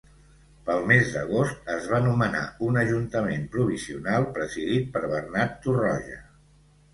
Pel mes d'agost es va nomenar un ajuntament provisional presidit per Bernat Torroja.